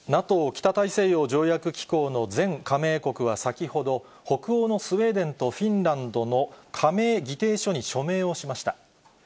ＮＡＴＯ・北大西洋条約機構の全加盟国は先ほど、北欧のスウェーデンとフィンランドの加盟議定書に署名をしました。